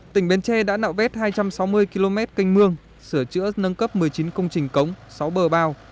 tỉnh bến tre đã nạo vét hai trăm sáu mươi km canh mương sửa chữa nâng cấp một mươi chín công trình cống sáu bờ bao